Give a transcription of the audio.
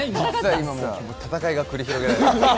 今、戦いが繰り広げられてました。